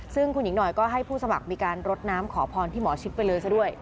ซึ่งคุณหญิงหน่อยก็ให้ผู้สมัครมีการรดน้ำขอพรที่หมอชิดไปเลยซะด้วย